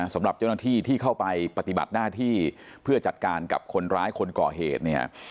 สำหรับเจ้าหน้าที่ที่เข้าไปปฏิบัติหน้าที่เพื่อจัดการกับคนร้ายคนก่อเหตุเนี่ย